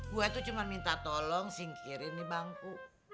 gue tuh cuma minta tolong singkirin nih bangku